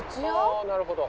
ああなるほど。